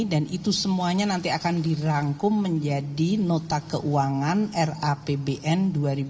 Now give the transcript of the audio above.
dan itu semuanya nanti akan dirangkum menjadi nota keuangan rapbn dua ribu dua puluh lima